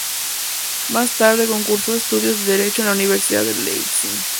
Más tarde, cursó estudios de derecho en la Universidad de Leipzig.